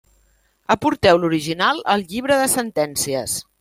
Aporteu l'original al llibre de sentències.